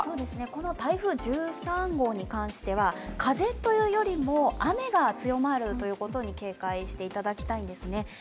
この台風１３号に関しては、風というよりも雨が強まることに警戒していただきたいんですね。